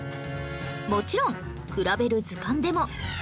もちろん『くらべる図鑑』でも